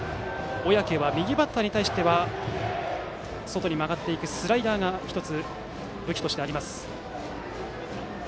小宅は右バッターに対しては外に曲がっていくスライダーが１つ武器としてあります。